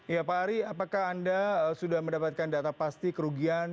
ya pak ari apakah anda sudah mendapatkan data pasti kerugian